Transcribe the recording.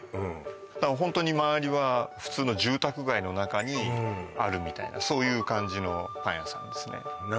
ホントに周りは普通の住宅街の中にあるみたいなそういう感じのパン屋さんですね